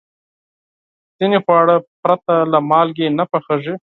ځینې خواړه پرته له مالګې نه پخېږي.